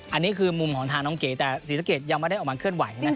อันนี้คือมุมของทางน้องเก๋แต่ศรีสะเกดยังไม่ได้ออกมาเคลื่อนไหว